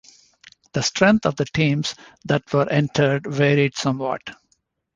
The strength of the teams that were entered varied somewhat.